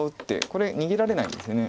これ逃げられないんです。